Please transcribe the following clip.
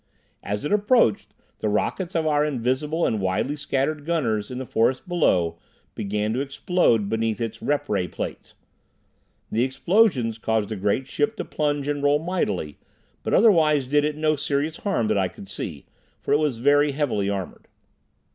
As it approached, the rockets of our invisible and widely scattered gunners in the forest below began to explode beneath its rep ray plates. The explosions caused the great ship to plunge and roll mightily, but otherwise did it no serious harm that I could see, for it was very heavily armored.